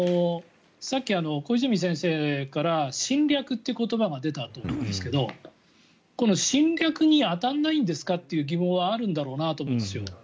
さっき小泉先生から侵略という言葉が出たと思うんですけどこの侵略に当たらないんですかって疑問はあるんだろうなと思うんですよ。